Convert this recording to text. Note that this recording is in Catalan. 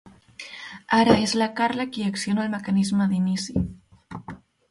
Ara és la Carla qui acciona el mecanisme d'inici.